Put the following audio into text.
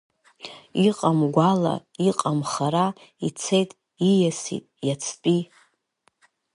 Иҟам гәала, иҟам хара, ицеит, ииасит иацтәи.